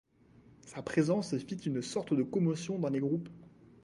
Sa présence fit une sorte de commotion dans les groupes.